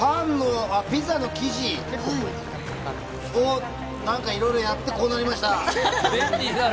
ピザの生地を何かいろいろやってこうなりました。